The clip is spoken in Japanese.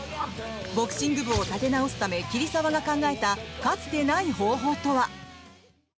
ボクシング部を立て直すため桐沢が考えたかつてない方法とは？